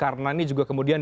karena kita sudah berbincang